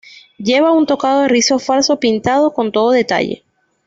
Lleva un tocado de rizos falsos pintado con todo detalle.